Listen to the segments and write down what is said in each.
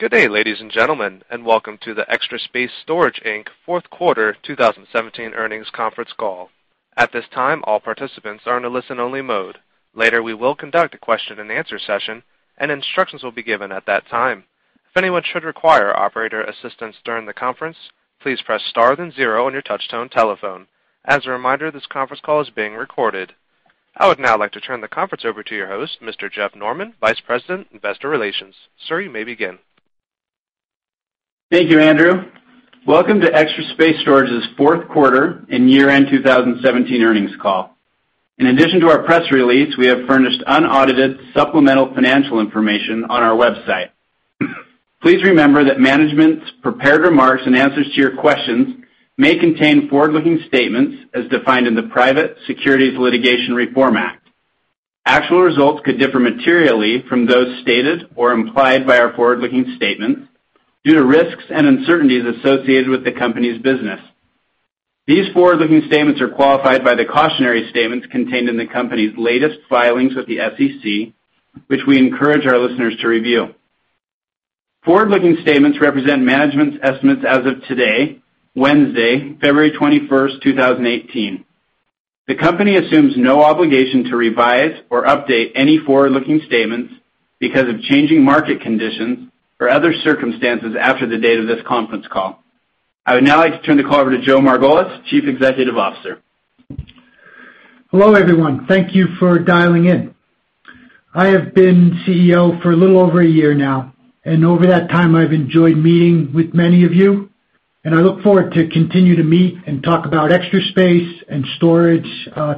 Good day, ladies and gentlemen, welcome to the Extra Space Storage Inc. fourth quarter 2017 earnings conference call. At this time, all participants are in a listen-only mode. Later, we will conduct a question and answer session, and instructions will be given at that time. If anyone should require operator assistance during the conference, please press star then zero on your touch-tone telephone. As a reminder, this conference call is being recorded. I would now like to turn the conference over to your host, Mr. Jeff Norman, Vice President, Investor Relations. Sir, you may begin. Thank you, Andrew. Welcome to Extra Space Storage's fourth quarter and year-end 2017 earnings call. In addition to our press release, we have furnished unaudited supplemental financial information on our website. Please remember that management's prepared remarks and answers to your questions may contain forward-looking statements as defined in the Private Securities Litigation Reform Act. Actual results could differ materially from those stated or implied by our forward-looking statements due to risks and uncertainties associated with the company's business. These forward-looking statements are qualified by the cautionary statements contained in the company's latest filings with the SEC, which we encourage our listeners to review. Forward-looking statements represent management's estimates as of today, Wednesday, February 21st, 2018. The company assumes no obligation to revise or update any forward-looking statements because of changing market conditions or other circumstances after the date of this conference call. I would now like to turn the call over to Joe Margolis, Chief Executive Officer. Hello, everyone. Thank you for dialing in. I have been CEO for a little over a year now, and over that time, I've enjoyed meeting with many of you, and I look forward to continue to meet and talk about Extra Space and storage,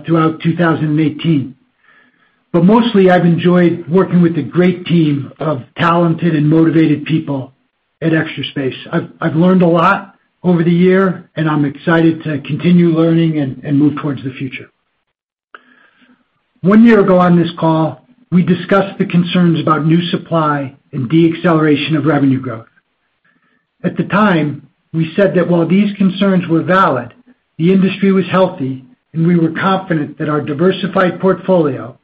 throughout 2018. Mostly, I've enjoyed working with a great team of talented and motivated people at Extra Space. I've learned a lot over the year, and I'm excited to continue learning and move towards the future. One year ago on this call, we discussed the concerns about new supply and deacceleration of revenue growth. At the time, we said that while these concerns were valid, the industry was healthy, and we were confident that our diversified portfolio,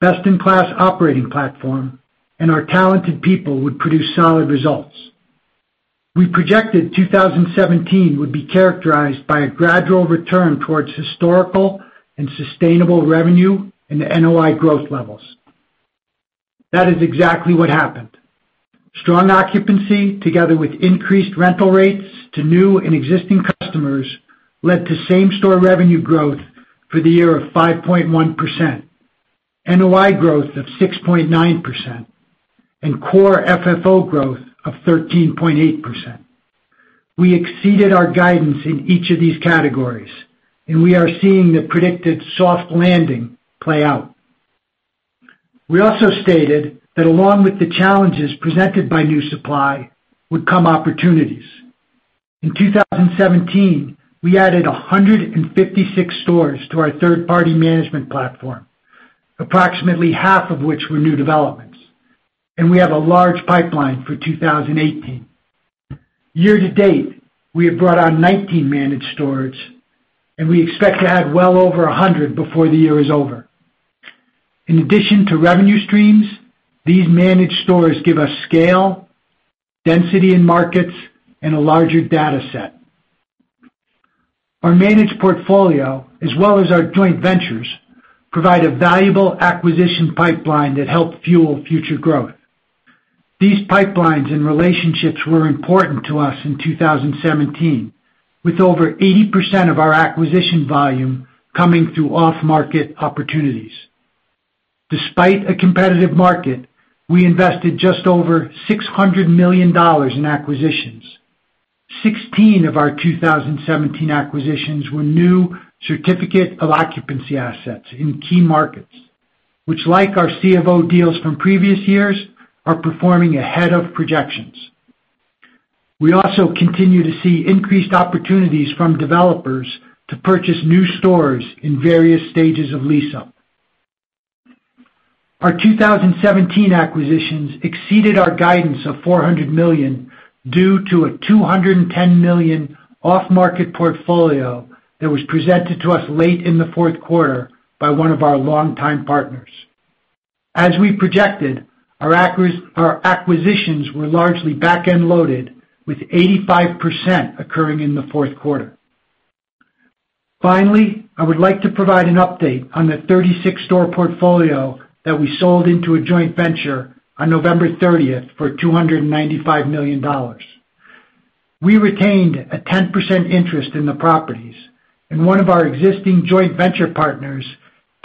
best-in-class operating platform, and our talented people would produce solid results. We projected 2017 would be characterized by a gradual return towards historical and sustainable revenue and NOI growth levels. That is exactly what happened. Strong occupancy, together with increased rental rates to new and existing customers, led to same-store revenue growth for the year of 5.1%, NOI growth of 6.9%, and core FFO growth of 13.8%. We exceeded our guidance in each of these categories, and we are seeing the predicted soft landing play out. We also stated that along with the challenges presented by new supply would come opportunities. In 2017, we added 156 stores to our third-party management platform, approximately half of which were new developments, and we have a large pipeline for 2018. Year to date, we have brought on 19 managed stores, and we expect to add well over 100 before the year is over. In addition to revenue streams, these managed stores give us scale, density in markets, and a larger data set. Our managed portfolio, as well as our joint ventures, provide a valuable acquisition pipeline that help fuel future growth. These pipelines and relationships were important to us in 2017, with over 80% of our acquisition volume coming through off-market opportunities. Despite a competitive market, we invested just over $600 million in acquisitions. 16 of our 2017 acquisitions were new certificate of occupancy assets in key markets, which, like our C of O deals from previous years, are performing ahead of projections. We also continue to see increased opportunities from developers to purchase new stores in various stages of lease-up. Our 2017 acquisitions exceeded our guidance of $400 million due to a $210 million off-market portfolio that was presented to us late in the fourth quarter by one of our longtime partners. As we projected, our acquisitions were largely back-end loaded, with 85% occurring in the fourth quarter. Finally, I would like to provide an update on the 36-store portfolio that we sold into a joint venture on November 30th for $295 million. We retained a 10% interest in the properties, and one of our existing joint venture partners,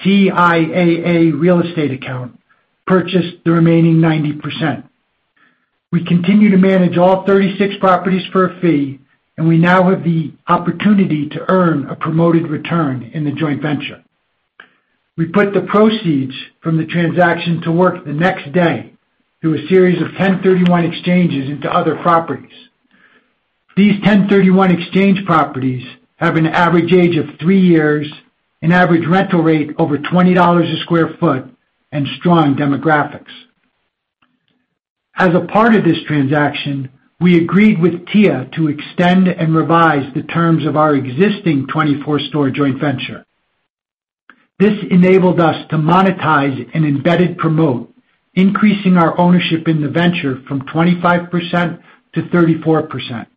TIAA Real Estate Account, purchased the remaining 90%. We continue to manage all 36 properties for a fee, and we now have the opportunity to earn a promoted return in the joint venture. We put the proceeds from the transaction to work the next day through a series of 1031 exchanges into other properties. These 1031 exchange properties have an average age of three years, an average rental rate over $20 a square foot, and strong demographics. As a part of this transaction, we agreed with TIAA to extend and revise the terms of our existing 24-store joint venture. This enabled us to monetize an embedded promote, increasing our ownership in the venture from 25% to 34%.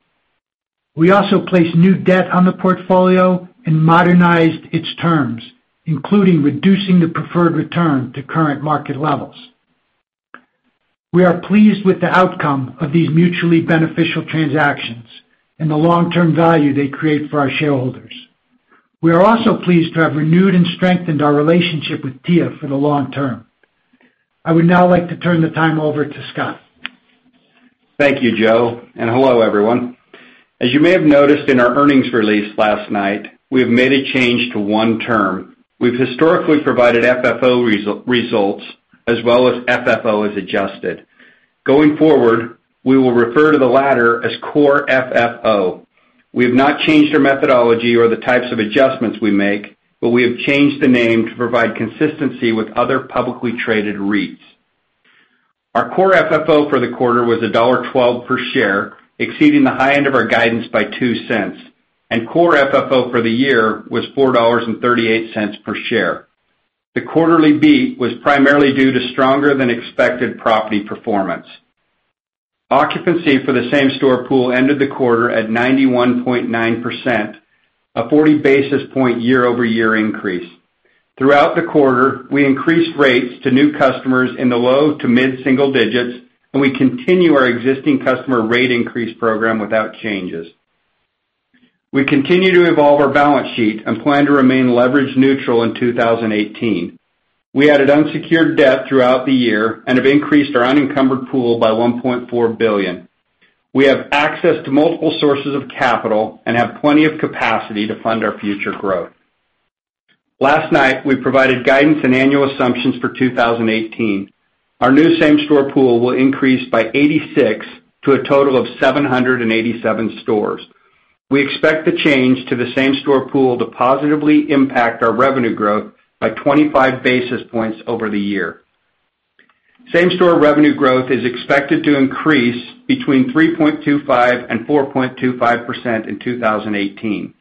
We also placed new debt on the portfolio and modernized its terms, including reducing the preferred return to current market levels. We are pleased with the outcome of these mutually beneficial transactions and the long-term value they create for our shareholders. We are also pleased to have renewed and strengthened our relationship with TIAA for the long term. I would now like to turn the time over to Scott. Thank you, Joe, and hello, everyone. As you may have noticed in our earnings release last night, we have made a change to one term. We've historically provided FFO results as well as FFO as adjusted. Going forward, we will refer to the latter as core FFO. We have not changed our methodology or the types of adjustments we make, but we have changed the name to provide consistency with other publicly traded REITs. Our core FFO for the quarter was $1.12 per share, exceeding the high end of our guidance by $0.02, and core FFO for the year was $4.38 per share. The quarterly beat was primarily due to stronger than expected property performance. Occupancy for the same-store pool ended the quarter at 91.9%, a 40-basis point year-over-year increase. Throughout the quarter, we increased rates to new customers in the low to mid-single digits, and we continue our existing customer rate increase program without changes. We continue to evolve our balance sheet and plan to remain leverage neutral in 2018. We added unsecured debt throughout the year and have increased our unencumbered pool by $1.4 billion. We have access to multiple sources of capital and have plenty of capacity to fund our future growth. Last night, we provided guidance and annual assumptions for 2018. Our new same-store pool will increase by 86 to a total of 787 stores. We expect the change to the same-store pool to positively impact our revenue growth by 25 basis points over the year. Same-store revenue growth is expected to increase between 3.25% and 4.25% in 2018.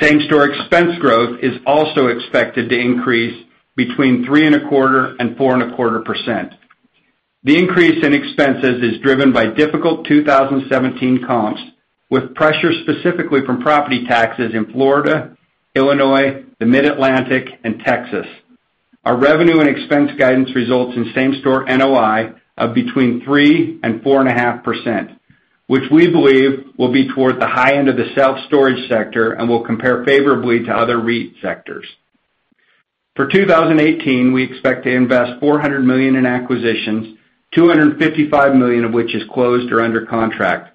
Same-store expense growth is also expected to increase between 3.25% and 4.25%. The increase in expenses is driven by difficult 2017 comps, with pressure specifically from property taxes in Florida, Illinois, the Mid-Atlantic, and Texas. Our revenue and expense guidance results in same-store NOI of between 3% and 4.5%, which we believe will be toward the high end of the self-storage sector and will compare favorably to other REIT sectors. For 2018, we expect to invest $400 million in acquisitions, $255 million of which is closed or under contract.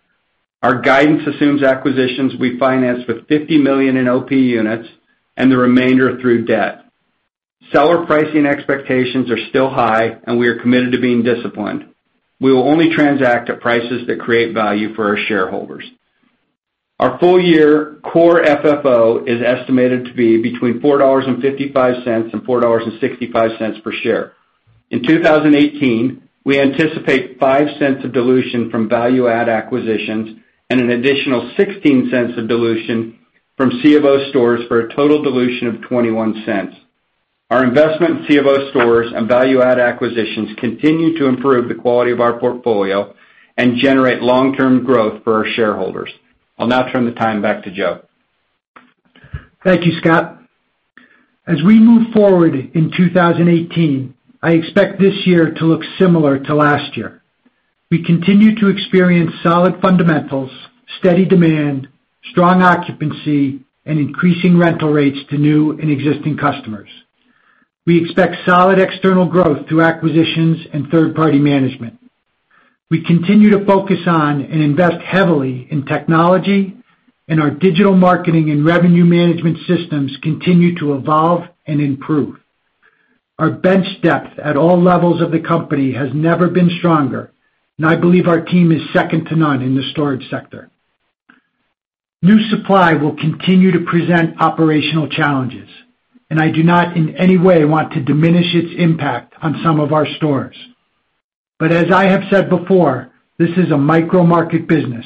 Our guidance assumes acquisitions we financed with $50 million in OP units and the remainder through debt. Seller pricing expectations are still high, and we are committed to being disciplined. We will only transact at prices that create value for our shareholders. Our full-year core FFO is estimated to be between $4.55 and $4.65 per share. In 2018, we anticipate $0.05 of dilution from value-add acquisitions and an additional $0.16 of dilution from C of O stores for a total dilution of $0.21. Our investment in C of O stores and value-add acquisitions continue to improve the quality of our portfolio and generate long-term growth for our shareholders. I'll now turn the time back to Joe. Thank you, Scott. As we move forward in 2018, I expect this year to look similar to last year. We continue to experience solid fundamentals, steady demand, strong occupancy, and increasing rental rates to new and existing customers. We expect solid external growth through acquisitions and third-party management. We continue to focus on and invest heavily in technology, and our digital marketing and revenue management systems continue to evolve and improve. Our bench depth at all levels of the company has never been stronger, and I believe our team is second to none in the storage sector. New supply will continue to present operational challenges, and I do not in any way want to diminish its impact on some of our stores. As I have said before, this is a micro-market business,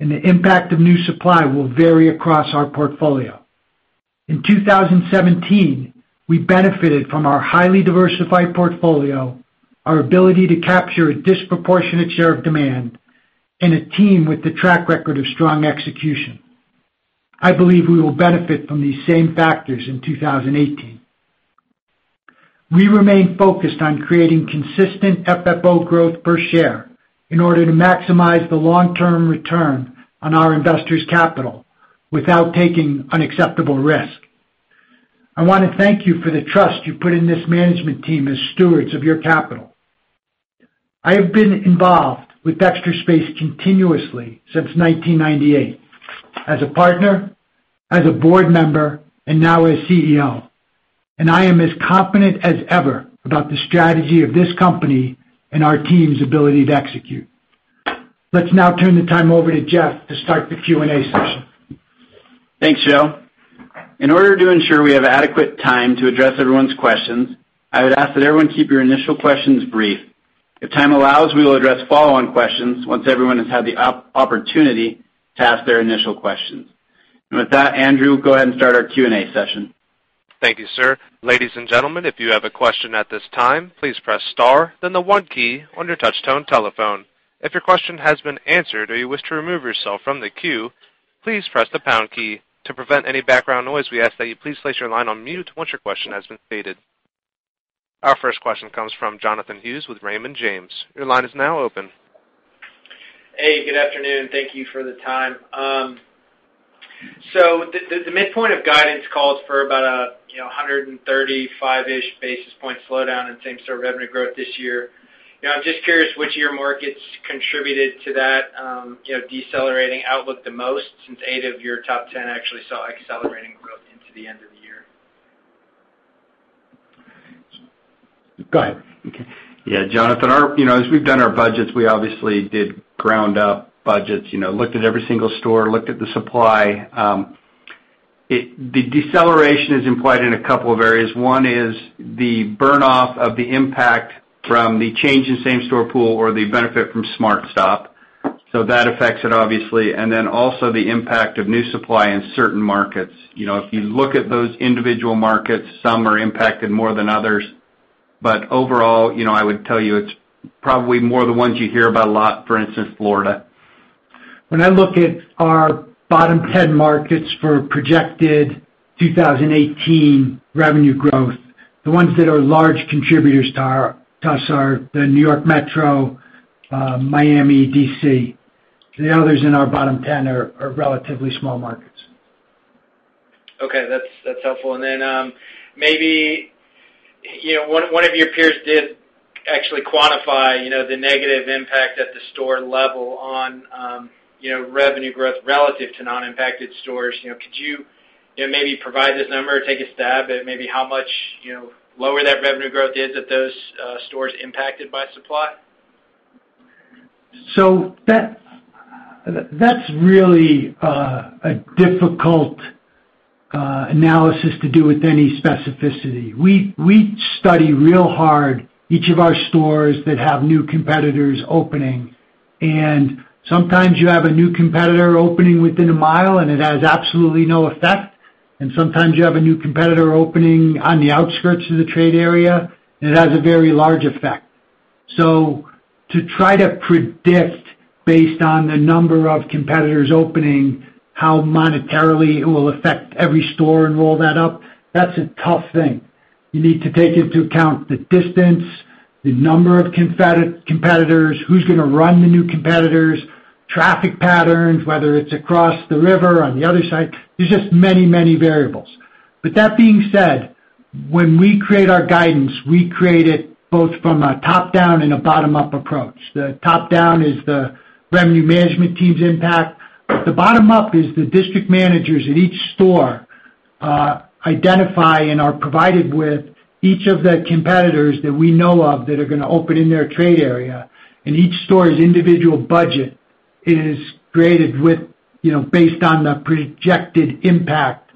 and the impact of new supply will vary across our portfolio. In 2017, we benefited from our highly diversified portfolio, our ability to capture a disproportionate share of demand, and a team with a track record of strong execution. I believe we will benefit from these same factors in 2018. We remain focused on creating consistent FFO growth per share in order to maximize the long-term return on our investors' capital without taking unacceptable risk. I want to thank you for the trust you put in this management team as stewards of your capital. I have been involved with Extra Space continuously since 1998 as a partner, as a board member, and now as CEO, and I am as confident as ever about the strategy of this company and our team's ability to execute. Let's now turn the time over to Jeff to start the Q&A session. Thanks, Joe. In order to ensure we have adequate time to address everyone's questions, I would ask that everyone keep your initial questions brief. If time allows, we will address follow-on questions once everyone has had the opportunity to ask their initial questions. With that, Andrew, go ahead and start our Q&A session. Thank you, sir. Ladies and gentlemen, if you have a question at this time, please press star then the one key on your touch-tone telephone. If your question has been answered or you wish to remove yourself from the queue, please press the pound key. To prevent any background noise, we ask that you please place your line on mute once your question has been stated. Our first question comes from Jonathan Hughes with Raymond James. Your line is now open. Hey, good afternoon. Thank you for the time. The midpoint of guidance calls for about 135-ish basis point slowdown in same-store revenue growth this year. I'm just curious which of your markets contributed to that decelerating outlook the most since eight of your top 10 actually saw accelerating growth into the end of the year. Go ahead. Okay. Yeah. Jonathan, as we've done our budgets, we obviously did ground-up budgets, looked at every single store, looked at the supply. The deceleration is implied in a couple of areas. One is the burn-off of the impact from the change in same-store pool or the benefit from SmartStop. That affects it, obviously, and then also the impact of new supply in certain markets. If you look at those individual markets, some are impacted more than others. Overall, I would tell you it's probably more the ones you hear about a lot, for instance, Florida. When I look at our bottom 10 markets for projected 2018 revenue growth, the ones that are large contributors to us are the New York Metro, Miami, D.C. The others in our bottom 10 are relatively small markets. Okay. That's helpful. Maybe one of your peers did actually quantify the negative impact at the store level on revenue growth relative to non-impacted stores. Could you maybe provide this number or take a stab at maybe how much lower that revenue growth is at those stores impacted by supply? That's really a difficult analysis to do with any specificity. We study real hard each of our stores that have new competitors opening. Sometimes you have a new competitor opening within one mile, and it has absolutely no effect. Sometimes you have a new competitor opening on the outskirts of the trade area, and it has a very large effect. To try to predict based on the number of competitors opening how monetarily it will affect every store and roll that up, that's a tough thing. You need to take into account the distance, the number of competitors, who's going to run the new competitors, traffic patterns, whether it's across the river on the other side. There's just many variables. That being said, when we create our guidance, we create it both from a top-down and a bottom-up approach. The top-down is the revenue management team's impact. The bottom-up is the district managers at each store identify and are provided with each of the competitors that we know of that are going to open in their trade area, and each store's individual budget is created based on the projected impact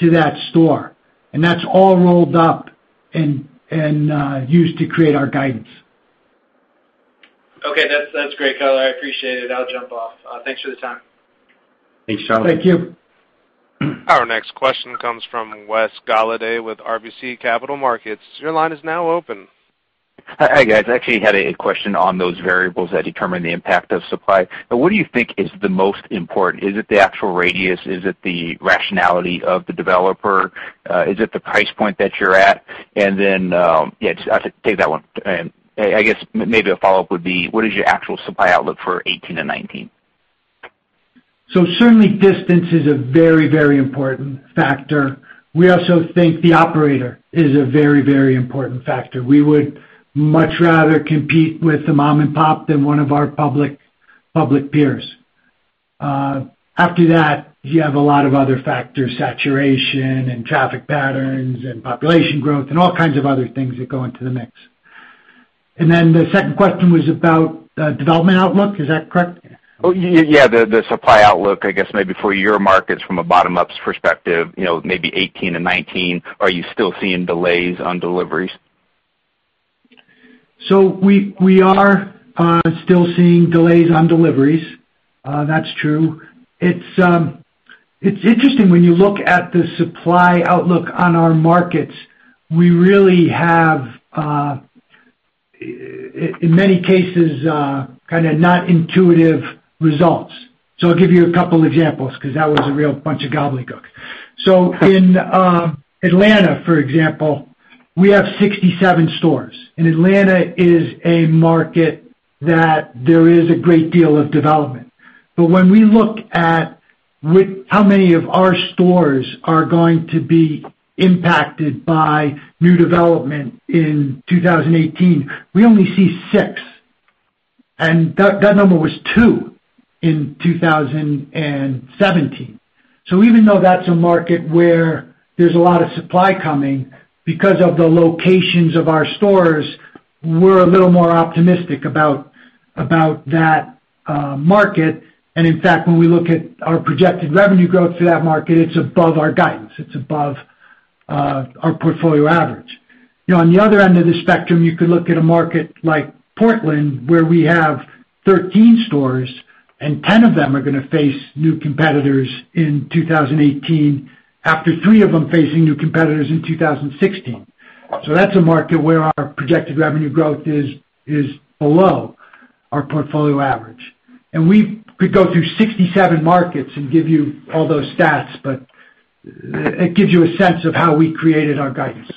to that store. That's all rolled up and used to create our guidance. Okay. That's great, color. I appreciate it. I'll jump off. Thanks for the time. Thanks, Jonathan. Thank you. Our next question comes from Wes Golladay with RBC Capital Markets. Your line is now open. Hi, guys. I actually had a question on those variables that determine the impact of supply. What do you think is the most important? Is it the actual radius? Is it the rationality of the developer? Is it the price point that you're at? Yeah, I said take that one. I guess maybe a follow-up would be, what is your actual supply outlook for 2018 and 2019? Certainly, distance is a very important factor. We also think the operator is a very important factor. We would much rather compete with the mom-and-pop than one of our public peers. After that, you have a lot of other factors, saturation and traffic patterns and population growth, and all kinds of other things that go into the mix. The second question was about the development outlook, is that correct? Yeah. The supply outlook, I guess maybe for your markets from a bottom-up perspective, maybe 2018 and 2019, are you still seeing delays on deliveries? We are still seeing delays on deliveries. That's true. It's interesting when you look at the supply outlook on our markets, we really have, in many cases, kind of not intuitive results. I'll give you two examples because that was a real bunch of gobbledygook. In Atlanta, for example, we have 67 stores, and Atlanta is a market that there is a great deal of development. When we look at how many of our stores are going to be impacted by new development in 2018, we only see six, and that number was two in 2017. Even though that's a market where there's a lot of supply coming, because of the locations of our stores, we're a little more optimistic about that market. In fact, when we look at our projected revenue growth for that market, it's above our guidance. It's above our portfolio average. On the other end of the spectrum, you could look at a market like Portland, where we have 13 stores, and 10 of them are going to face new competitors in 2018 after three of them facing new competitors in 2016. That's a market where our projected revenue growth is below our portfolio average. We could go through 67 markets and give you all those stats, but it gives you a sense of how we created our guidance.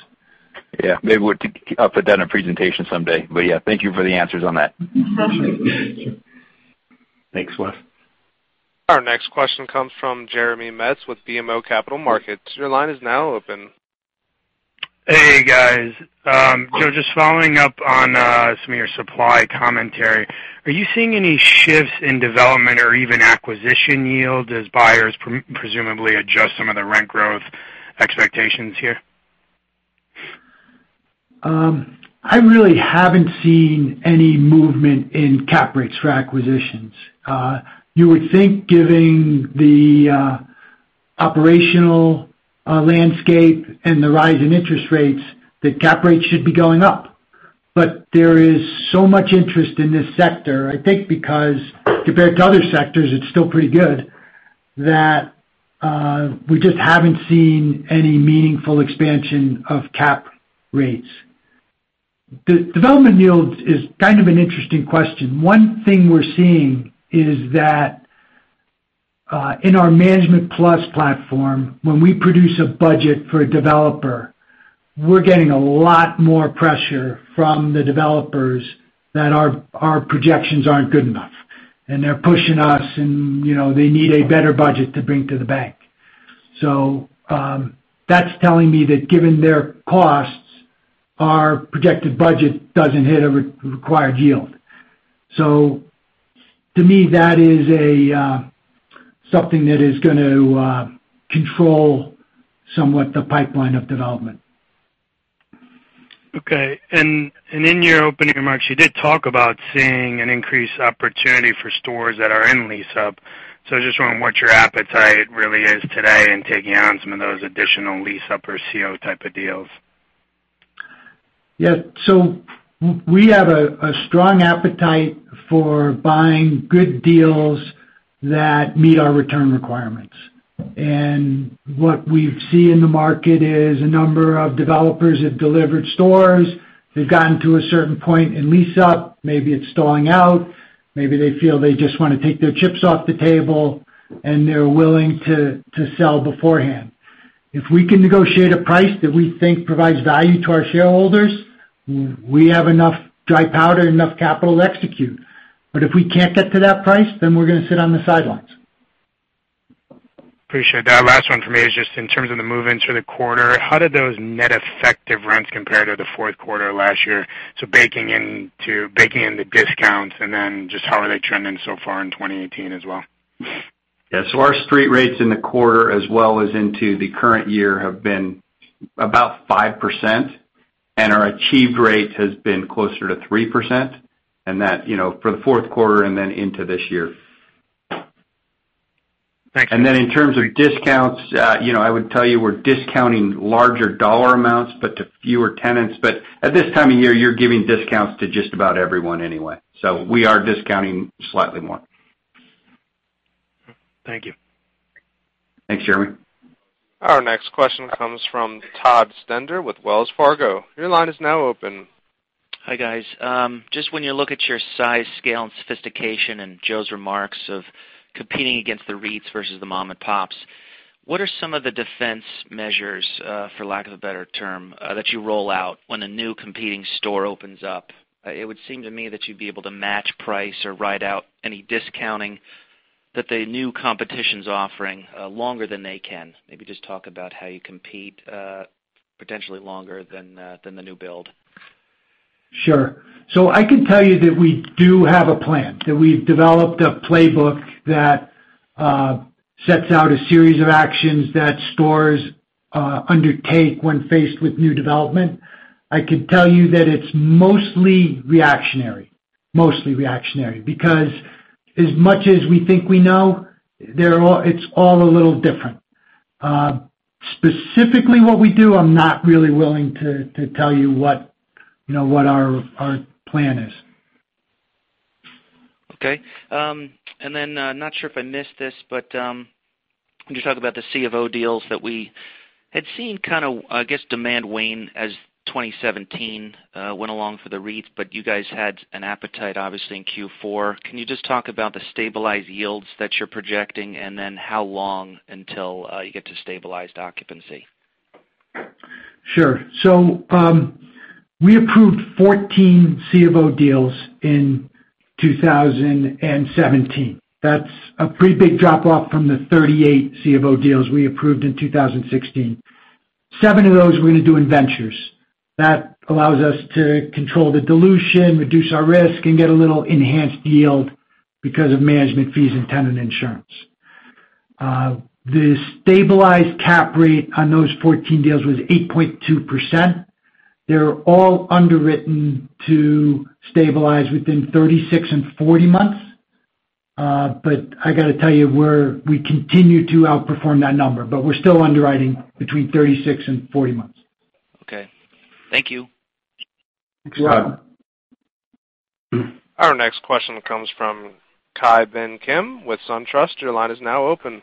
Yeah. Maybe we'll put that in a presentation someday. Yeah, thank you for the answers on that. Thanks, Wes. Our next question comes from Jeremy Metz with BMO Capital Markets. Your line is now open. Hey, guys. Just following up on some of your supply commentary, are you seeing any shifts in development or even acquisition yield as buyers presumably adjust some of the rent growth expectations here? I really haven't seen any movement in cap rates for acquisitions. You would think giving the operational landscape and the rise in interest rates, that cap rates should be going up. There is so much interest in this sector, I think because compared to other sectors, it's still pretty good, that we just haven't seen any meaningful expansion of cap rates. The development yield is kind of an interesting question. One thing we're seeing is that in our Management Plus platform, when we produce a budget for a developer, we're getting a lot more pressure from the developers that our projections aren't good enough, and they're pushing us, and they need a better budget to bring to the bank. That's telling me that given their costs, our projected budget doesn't hit a required yield. To me, that is something that is going to control somewhat the pipeline of development. Okay. In your opening remarks, you did talk about seeing an increased opportunity for stores that are in lease-up. I just wondering what your appetite really is today in taking on some of those additional lease-up or CO type of deals. Yeah. We have a strong appetite for buying good deals that meet our return requirements. What we see in the market is a number of developers have delivered stores. They've gotten to a certain point in lease-up, maybe it's stalling out, maybe they feel they just want to take their chips off the table, they're willing to sell beforehand. If we can negotiate a price that we think provides value to our shareholders, we have enough dry powder, enough capital to execute. If we can't get to that price, we're going to sit on the sidelines. Appreciate that. Last one from me is just in terms of the move-ins for the quarter, how did those net effective rents compare to the fourth quarter last year? Baking in the discounts, just how are they trending so far in 2018 as well? Yeah. Our street rates in the quarter as well as into the current year have been about 5%, our achieved rate has been closer to 3%, that for the fourth quarter into this year. Thanks. In terms of discounts, I would tell you we're discounting larger dollar amounts, to fewer tenants. At this time of year, you're giving discounts to just about everyone anyway. We are discounting slightly more. Thank you. Thanks, Jeremy. Our next question comes from Todd Stender with Wells Fargo. Your line is now open. Hi, guys. Just when you look at your size, scale, and sophistication, and Joe's remarks of competing against the REITs versus the mom and pops, what are some of the defense measures, for lack of a better term, that you roll out when a new competing store opens up? It would seem to me that you'd be able to match price or ride out any discounting that the new competition's offering longer than they can. Maybe just talk about how you compete potentially longer than the new build. Sure. I can tell you that we do have a plan, that we've developed a playbook that sets out a series of actions that stores undertake when faced with new development. I can tell you that it's mostly reactionary. Because as much as we think we know, it's all a little different. Specifically, what we do, I'm not really willing to tell you what our plan is. Okay. Not sure if I missed this, but can you talk about the C of O deals that we had seen kind of, I guess, demand wane as 2017 went along for the REITs, but you guys had an appetite, obviously, in Q4. Can you just talk about the stabilized yields that you're projecting, and then how long until you get to stabilized occupancy? Sure. We approved 14 C of O deals in 2017. That's a pretty big drop-off from the 38 C of O deals we approved in 2016. Seven of those we're going to do in ventures. That allows us to control the dilution, reduce our risk, and get a little enhanced yield because of management fees and tenant insurance. The stabilized cap rate on those 14 deals was 8.2%. They're all underwritten to stabilize within 36 and 40 months. I got to tell you, we continue to outperform that number, but we're still underwriting between 36 and 40 months. Okay. Thank you. Thanks. You're welcome. Our next question comes from Ki Bin Kim with SunTrust. Your line is now open.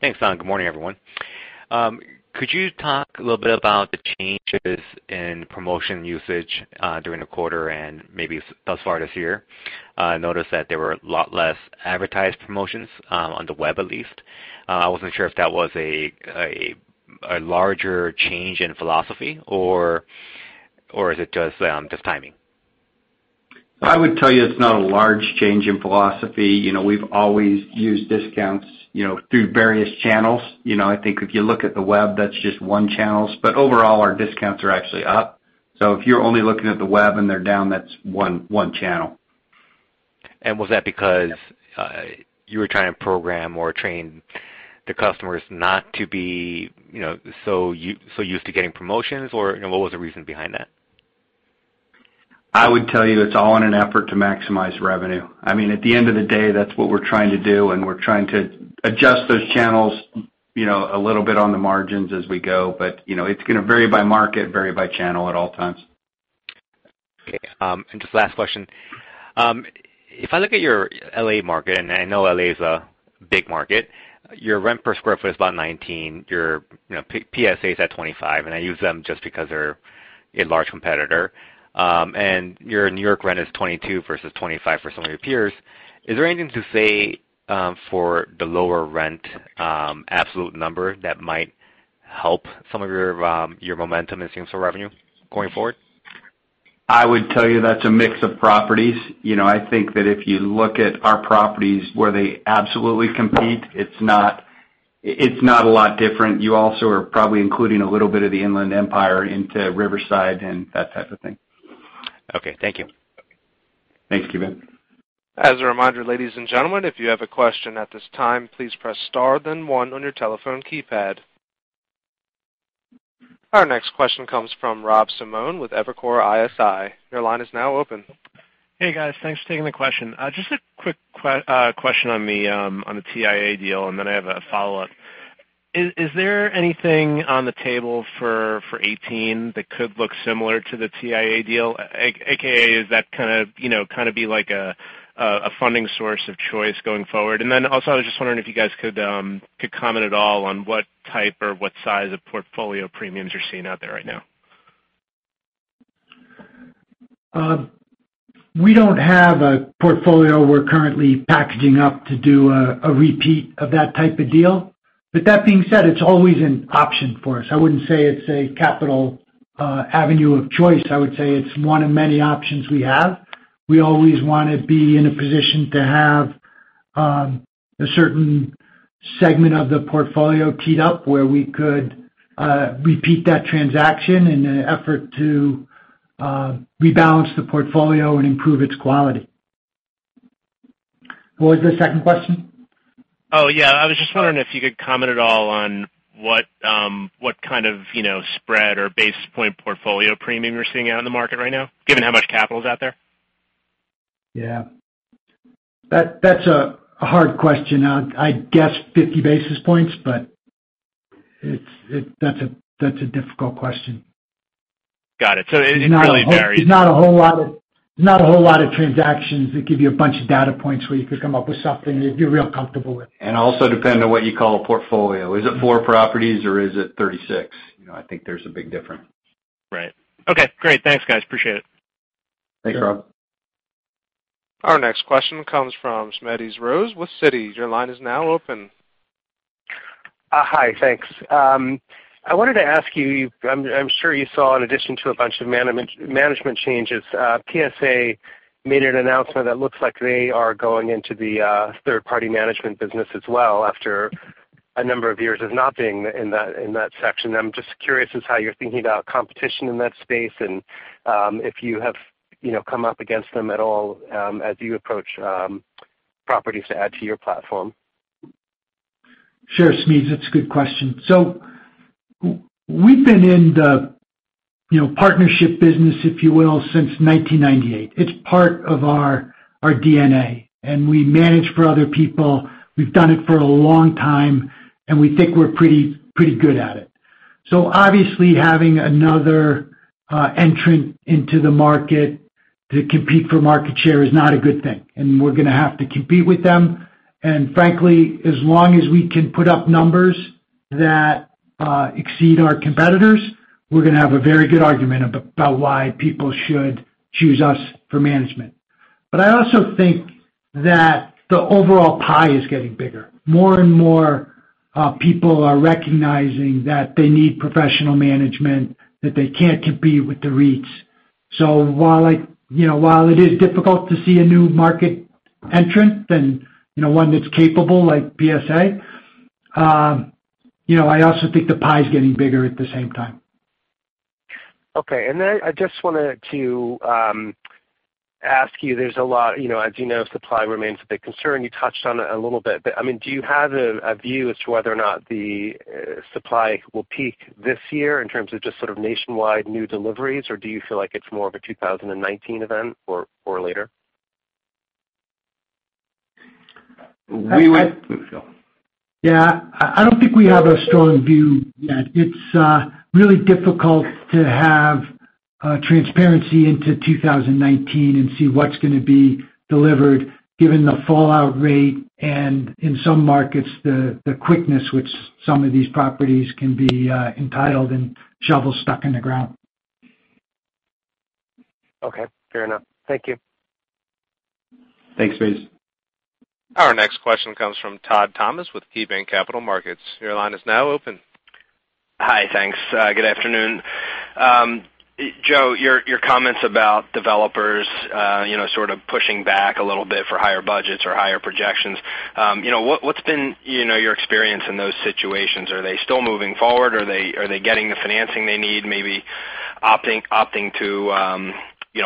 Thanks, Don. Good morning, everyone. Could you talk a little bit about the changes in promotion usage during the quarter and maybe thus far this year? I noticed that there were a lot less advertised promotions on the web at least. I wasn't sure if that was a larger change in philosophy or is it just timing? I would tell you it's not a large change in philosophy. We've always used discounts through various channels. I think if you look at the web, that's just one channel. Overall, our discounts are actually up, so if you're only looking at the web and they're down, that's one channel. Was that because you were trying to program or train the customers not to be so used to getting promotions, or what was the reason behind that? I would tell you it's all in an effort to maximize revenue. At the end of the day, that's what we're trying to do, and we're trying to adjust those channels a little bit on the margins as we go. It's going to vary by market, vary by channel at all times. Okay. Just last question. If I look at your L.A. market, and I know L.A. is a big market, your rent per square foot is about $19, your PSA's at $25, and I use them just because they're a large competitor. Your New York rent is $22 versus $25 for some of your peers. Is there anything to say for the lower rent absolute number that might help some of your momentum in same-store revenue going forward? I would tell you that's a mix of properties. I think that if you look at our properties where they absolutely compete, it's not a lot different. You also are probably including a little bit of the Inland Empire into Riverside and that type of thing. Okay. Thank you. Thanks, Ki Bin. As a reminder, ladies and gentlemen, if you have a question at this time, please press star then one on your telephone keypad. Our next question comes from Rob Simone with Evercore ISI. Your line is now open. Hey, guys. Thanks for taking the question. Just a quick question on the TIAA deal, then I have a follow-up. Is there anything on the table for 2018 that could look similar to the TIAA deal? AKA, is that kind of be like a funding source of choice going forward? Also, I was just wondering if you guys could comment at all on what type or what size of portfolio premiums you're seeing out there right now. We don't have a portfolio we're currently packaging up to do a repeat of that type of deal. That being said, it's always an option for us. I wouldn't say it's a capital avenue of choice. I would say it's one of many options we have. We always want to be in a position to have a certain segment of the portfolio teed up where we could repeat that transaction in an effort to rebalance the portfolio and improve its quality. What was the second question? Yeah. I was just wondering if you could comment at all on what kind of spread or basis point portfolio premium you're seeing out in the market right now, given how much capital is out there. Yeah. That's a hard question. I'd guess 50 basis points, that's a difficult question. Got it. It really varies. There's not a whole lot of transactions that give you a bunch of data points where you could come up with something that you're real comfortable with. Also depend on what you call a portfolio. Is it four properties or is it 36? I think there's a big difference. Right. Okay, great. Thanks, guys. Appreciate it. Thanks, Rob. Our next question comes from Smedes Rose with Citi. Your line is now open. Hi. Thanks. I wanted to ask you, I'm sure you saw in addition to a bunch of management changes, PSA made an announcement that looks like they are going into the third-party management business as well after a number of years of not being in that section. I'm just curious as to how you're thinking about competition in that space, and if you have come up against them at all as you approach properties to add to your platform. Sure, Smedes, that's a good question. We've been in the partnership business, if you will, since 1998. It's part of our DNA, and we manage for other people. We've done it for a long time, and we think we're pretty good at it. Obviously, having another entrant into the market to compete for market share is not a good thing, and we're going to have to compete with them. Frankly, as long as we can put up numbers that exceed our competitors, we're going to have a very good argument about why people should choose us for management. I also think that the overall pie is getting bigger. More and more people are recognizing that they need professional management, that they can't compete with the REITs. While it is difficult to see a new market entrant and one that's capable like PSA, I also think the pie is getting bigger at the same time. Okay. I just wanted to ask you, as you know, supply remains a big concern. You touched on it a little bit, but do you have a view as to whether or not the supply will peak this year in terms of just sort of nationwide new deliveries, or do you feel like it's more of a 2019 event or later? We would- Yeah. I don't think we have a strong view yet. It's really difficult to have transparency into 2019 and see what's going to be delivered given the fallout rate and in some markets, the quickness which some of these properties can be entitled and shovels stuck in the ground. Okay. Fair enough. Thank you. Thanks, Smedes. Our next question comes from Todd Thomas with KeyBanc Capital Markets. Your line is now open. Hi. Thanks. Good afternoon. Joe, your comments about developers sort of pushing back a little bit for higher budgets or higher projections. What's been your experience in those situations? Are they still moving forward? Are they getting the financing they need, maybe opting to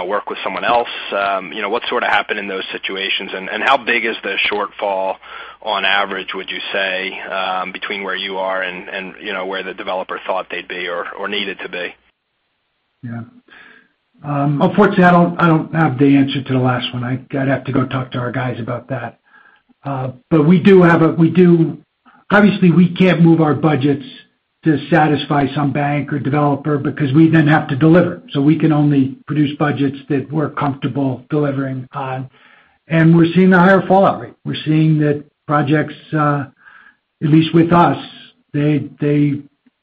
work with someone else? What sort of happened in those situations, and how big is the shortfall on average, would you say, between where you are and where the developer thought they'd be or needed to be? Yeah. Unfortunately, I don't have the answer to the last one. I'd have to go talk to our guys about that. Obviously, we can't move our budgets to satisfy some bank or developer because we then have to deliver. We can only produce budgets that we're comfortable delivering on. We're seeing a higher fallout rate. We're seeing that projects, at least with us,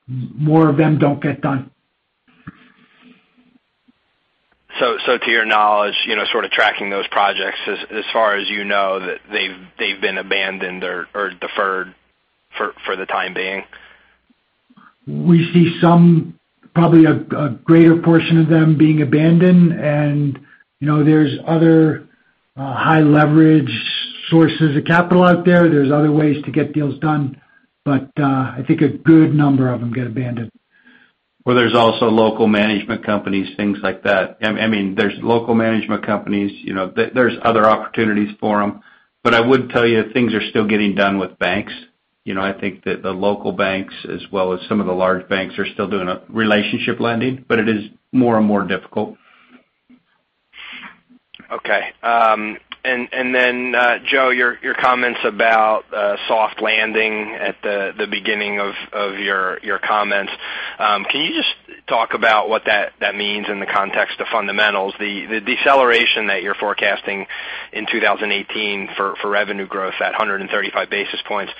more of them don't get done. To your knowledge, sort of tracking those projects as far as you know, that they've been abandoned or deferred for the time being? We see some, probably a greater portion of them being abandoned. There's other high-leverage sources of capital out there. There's other ways to get deals done, I think a good number of them get abandoned. Well, there's also local management companies, things like that. There's local management companies, there's other opportunities for them. I would tell you, things are still getting done with banks. I think that the local banks, as well as some of the large banks, are still doing relationship lending, but it is more and more difficult. Okay. Joe, your comments about a soft landing at the beginning of your comments. Can you just talk about what that means in the context of fundamentals? The deceleration that you're forecasting in 2018 for revenue growth at 135 basis points.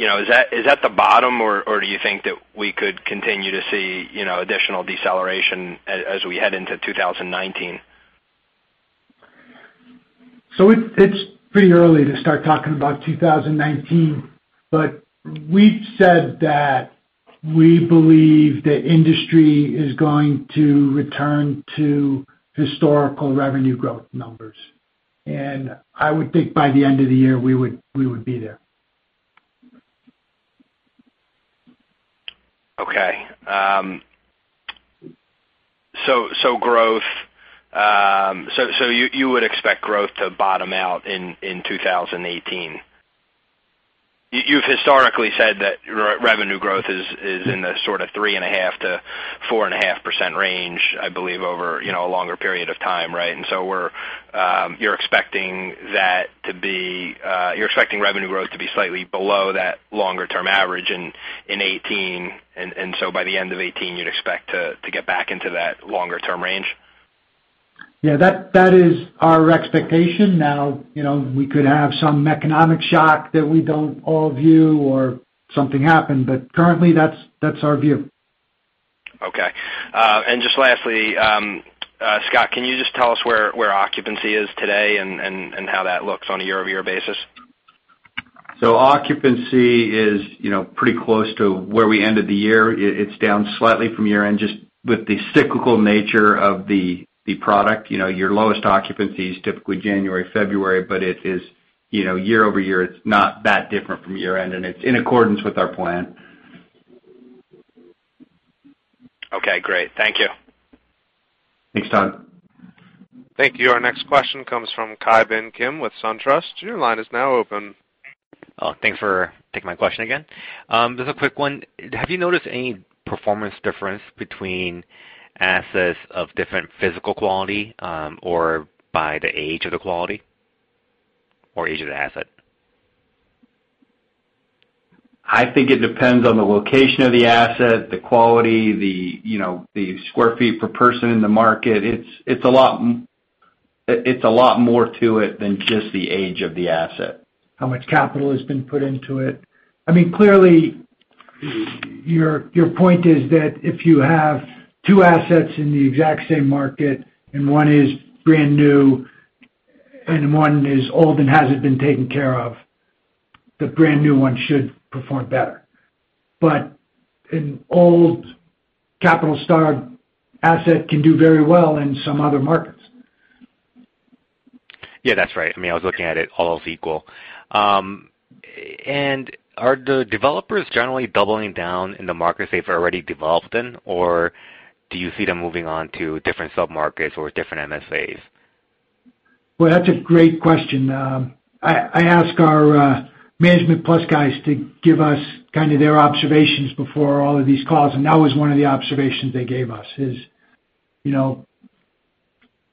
Is that the bottom, or do you think that we could continue to see additional deceleration as we head into 2019? It's pretty early to start talking about 2019, but we've said that we believe the industry is going to return to historical revenue growth numbers. I would think by the end of the year, we would be there. Okay. You would expect growth to bottom out in 2018. You've historically said that revenue growth is in the sort of 3.5%-4.5% range, I believe, over a longer period of time, right? You're expecting revenue growth to be slightly below that longer-term average in 2018, and so by the end of 2018, you'd expect to get back into that longer-term range? Yeah, that is our expectation. Now, we could have some economic shock that we don't all view or something happen, but currently that's our view. Okay. Just lastly, Scott, can you just tell us where occupancy is today and how that looks on a year-over-year basis? occupancy is pretty close to where we ended the year. It's down slightly from year-end, just with the cyclical nature of the product. Your lowest occupancy is typically January, February, but year-over-year, it's not that different from year-end, and it's in accordance with our plan. Okay, great. Thank you. Thanks, Todd. Thank you. Our next question comes from Ki Bin Kim with SunTrust. Your line is now open. Thanks for taking my question again. Just a quick one. Have you noticed any performance difference between assets of different physical quality or by the age of the asset? I think it depends on the location of the asset, the quality, the square feet per person in the market. It's a lot more to it than just the age of the asset. How much capital has been put into it. Clearly, your point is that if you have two assets in the exact same market and one is brand-new and one is old and hasn't been taken care of, the brand-new one should perform better. An old capital-starved asset can do very well in some other markets. Yeah, that's right. I was looking at it all as equal. Are the developers generally doubling down in the markets they've already developed in, or do you see them moving on to different sub-markets or different MSAs? Well, that's a great question. I ask our Management Plus guys to give us kind of their observations before all of these calls, and that was one of the observations they gave us.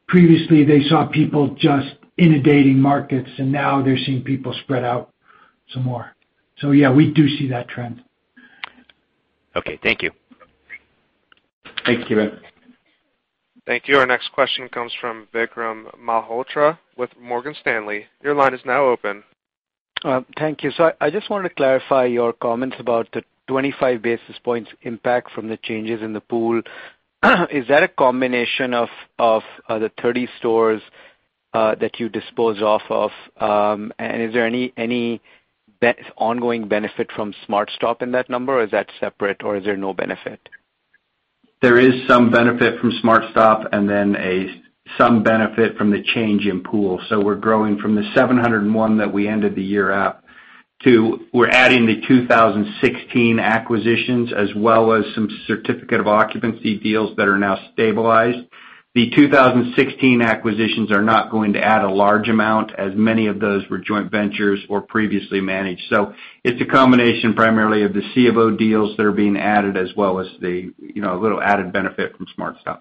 Previously, they saw people just inundating markets, and now they're seeing people spread out some more. Yeah, we do see that trend. Okay, thank you. Thank you. Thank you. Our next question comes from Vikram Malhotra with Morgan Stanley. Your line is now open. Thank you. I just wanted to clarify your comments about the 25 basis points impact from the changes in the pool. Is that a combination of the 30 stores that you disposed off of? Is there any ongoing benefit from SmartStop in that number, or is that separate, or is there no benefit? There is some benefit from SmartStop and then some benefit from the change in pool. We're growing from the 701 that we ended the year at to, we're adding the 2016 acquisitions as well as some Certificate of Occupancy deals that are now stabilized. The 2016 acquisitions are not going to add a large amount, as many of those were joint ventures or previously managed. It's a combination primarily of the C of O deals that are being added as well as the little added benefit from SmartStop.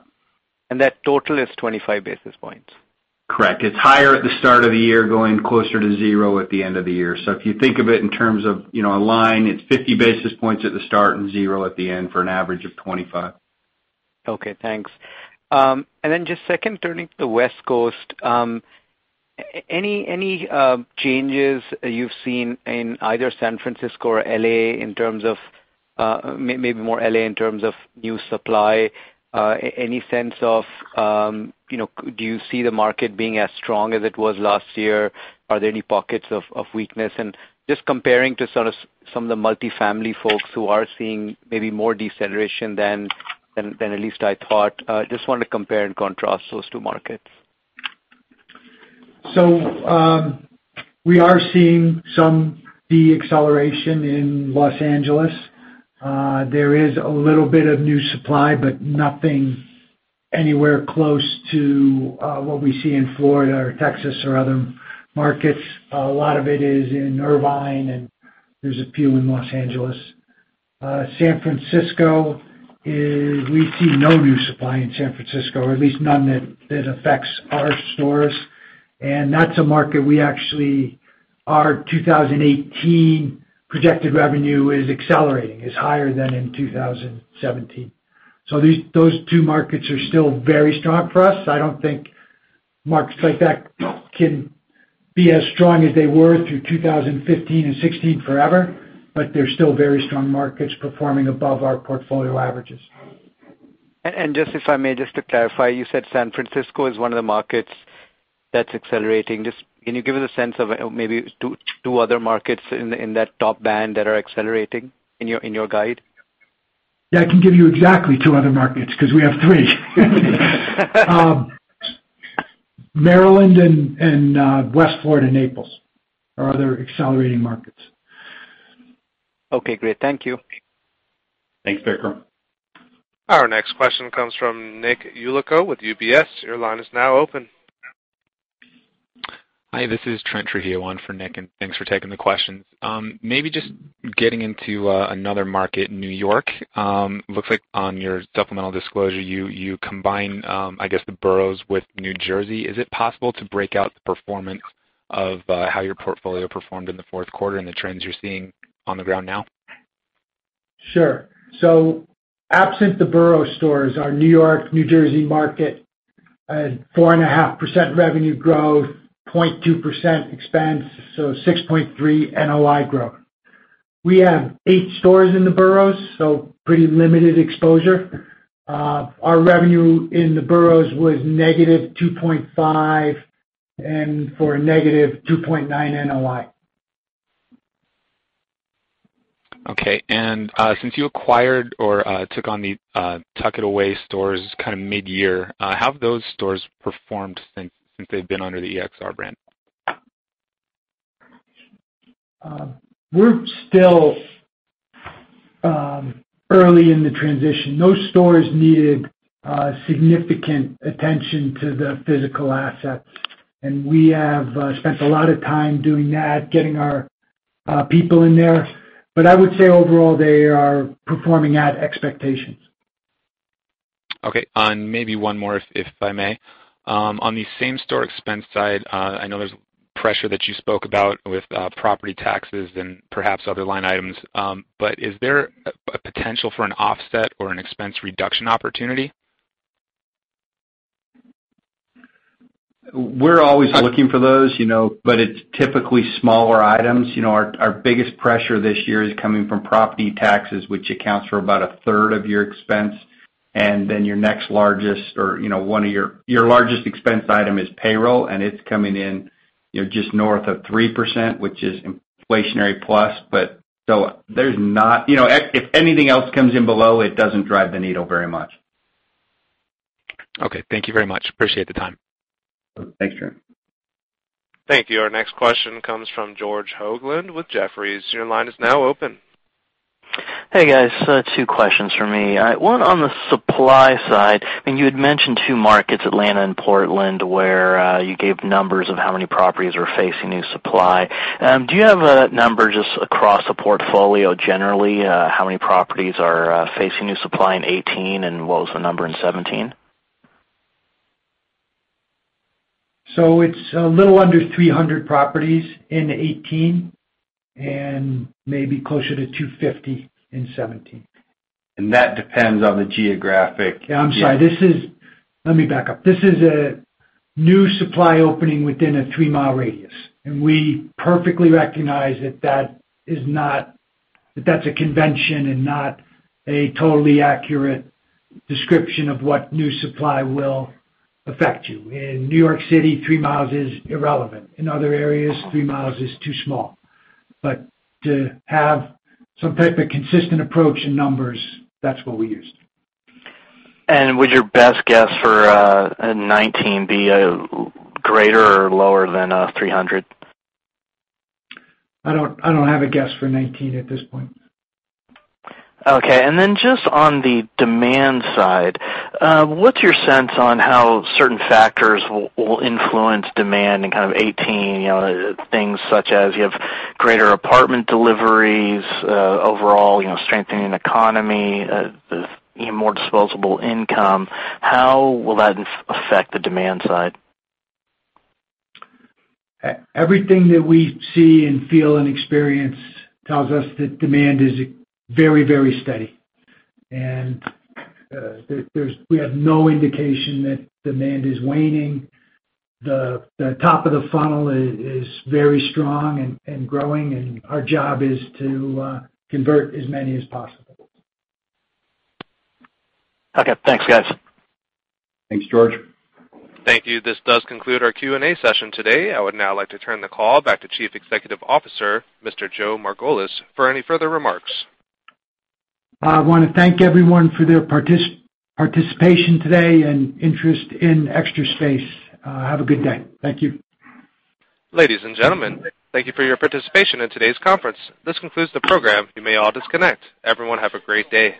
That total is 25 basis points. Correct. It's higher at the start of the year, going closer to zero at the end of the year. If you think of it in terms of a line, it's 50 basis points at the start and zero at the end for an average of 25. Okay, thanks. Just second, turning to the West Coast. Any changes you've seen in either San Francisco or L.A., maybe more L.A., in terms of new supply? Any sense of, do you see the market being as strong as it was last year? Are there any pockets of weakness? Just comparing to some of the multifamily folks who are seeing maybe more deceleration than at least I thought. Just want to compare and contrast those two markets. We are seeing some deacceleration in Los Angeles. There is a little bit of new supply, but nothing anywhere close to what we see in Florida or Texas or other markets. A lot of it is in Irvine, and there's a few in Los Angeles. San Francisco, we see no new supply in San Francisco, or at least none that affects our stores. That's a market we actually, our 2018 projected revenue is accelerating, is higher than in 2017. Those two markets are still very strong for us. I don't think markets like that can be as strong as they were through 2015 and 2016 forever, but they're still very strong markets performing above our portfolio averages. Just if I may, just to clarify, you said San Francisco is one of the markets that's accelerating. Can you give us a sense of maybe two other markets in that top band that are accelerating in your guide? Yeah, I can give you exactly two other markets because we have three. Maryland and West Florida, Naples, are other accelerating markets. Okay, great. Thank you. Thanks, Vikram. Our next question comes from Nick Yulico with UBS. Your line is now open. Hi, this is Trent Trujillo on for Nick, thanks for taking the questions. Maybe just getting into another market, New York. Looks like on your supplemental disclosure, you combine the boroughs with New Jersey. Is it possible to break out the performance of how your portfolio performed in the fourth quarter and the trends you're seeing on the ground now? Sure. Absent the borough stores, our New York, New Jersey market had 4.5% revenue growth, 0.2% expense, so 6.3% NOI growth. We have eight stores in the boroughs, so pretty limited exposure. Our revenue in the boroughs was -2.5% and for a -2.9% NOI. Okay. Since you acquired or took on the Tuck-It-Away stores kind of mid-year, how have those stores performed since they've been under the EXR brand? We're still early in the transition. Those stores needed significant attention to the physical assets, and we have spent a lot of time doing that, getting our people in there. I would say overall, they are performing at expectations. Okay, maybe one more, if I may. On the same-store expense side, I know there's pressure that you spoke about with property taxes and perhaps other line items. Is there a potential for an offset or an expense reduction opportunity? We're always looking for those, but it's typically smaller items. Our biggest pressure this year is coming from property taxes, which accounts for about a third of your expense, and then Your largest expense item is payroll, and it's coming in just north of 3%, which is inflationary plus. If anything else comes in below, it doesn't drive the needle very much. Okay. Thank you very much. Appreciate the time. Thanks, Trent. Thank you. Our next question comes from George Hoglund with Jefferies. Your line is now open. Hey, guys. Two questions from me. One on the supply side. You had mentioned two markets, Atlanta and Portland, where you gave numbers of how many properties were facing new supply. Do you have a number just across the portfolio generally, how many properties are facing new supply in 2018, and what was the number in 2017? It's a little under 300 properties in 2018, and maybe closer to 250 in 2017. That depends on the geographic- Yeah, I'm sorry. Let me back up. This is a new supply opening within a three-mile radius. We perfectly recognize that that's a convention and not a totally accurate description of what new supply will affect you. In New York City, three miles is irrelevant. In other areas, three miles is too small. To have some type of consistent approach in numbers, that's what we used. Would your best guess for 2019 be greater or lower than 300? I don't have a guess for 2019 at this point. Okay. Then just on the demand side, what's your sense on how certain factors will influence demand in 2018? Things such as you have greater apartment deliveries, overall strengthening economy, more disposable income. How will that affect the demand side? Everything that we see and feel and experience tells us that demand is very steady. We have no indication that demand is waning. The top of the funnel is very strong and growing, and our job is to convert as many as possible. Okay, thanks, guys. Thanks, George. Thank you. This does conclude our Q&A session today. I would now like to turn the call back to Chief Executive Officer, Mr. Joe Margolis, for any further remarks. I want to thank everyone for their participation today and interest in Extra Space. Have a good day. Thank you. Ladies and gentlemen, thank you for your participation in today's conference. This concludes the program. You may all disconnect. Everyone have a great day.